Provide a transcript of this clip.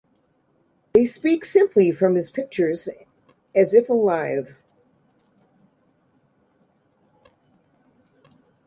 They speak simply from his pictures, as if alive.